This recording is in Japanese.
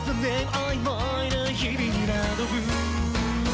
曖昧な日々に惑う」